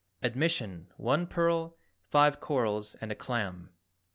ADMISSION, 1 PEARL, 5 CORALS AND A CLAM!